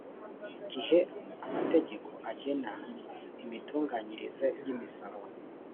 gihe amategeko agena imitunganyirize y imisoro